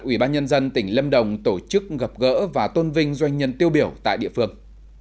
ủy ban nhân dân tỉnh lâm đồng tổ chức gặp gỡ và tôn vinh doanh nhân tiêu biểu tại địa phương